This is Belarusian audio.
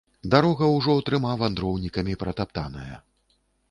Дарога ўжо трыма вандроўнікамі пратаптаная.